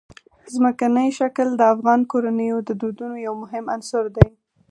ځمکنی شکل د افغان کورنیو د دودونو یو مهم عنصر دی.